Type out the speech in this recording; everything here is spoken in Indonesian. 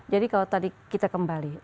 jadi kalau tadi kita kembali